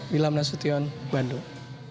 wilhamna sution bandung